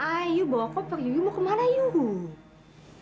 ayah bawa koper yuk yuk mau kemana yuk